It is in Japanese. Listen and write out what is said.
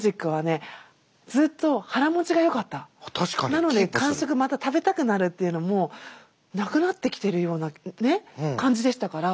なので間食また食べたくなるっていうのもなくなってきているようなね感じでしたから。